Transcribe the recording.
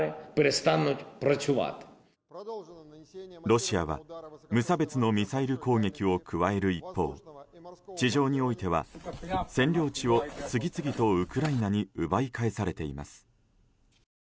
ロシアは無差別のミサイル攻撃を加える一方地上においては占領地を次々とウクライナに奪い返されています。